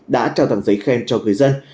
đã trao tặng giấy khen cho người dân